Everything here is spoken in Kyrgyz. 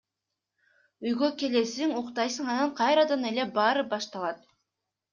Үйгө келесиң, уктайсың анан кайрадан эле баары башталат.